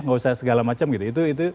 gak usah segala macam gitu